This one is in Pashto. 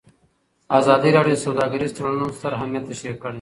ازادي راډیو د سوداګریز تړونونه ستر اهميت تشریح کړی.